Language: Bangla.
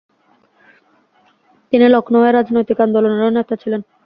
তিনি লখনউ-এ রাজনৈতিক আন্দোলনেরও নেতা ছিলেন।